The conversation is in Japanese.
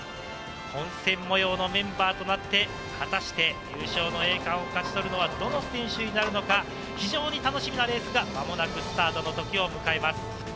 混戦模様のメンバーとなって、果たして優勝の栄冠を勝ち取るのはどの選手になるのか、楽しみなレースが間もなくスタートの時を迎えます。